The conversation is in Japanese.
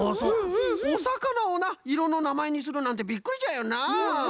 おさかなをないろのなまえにするなんてびっくりじゃよな。